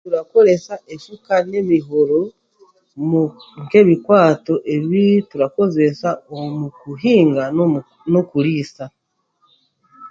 Turakoresa efuka n'emihoro mu nk'ebikwato ebi turakoresa omu kuhinga n'omu n'okuriisa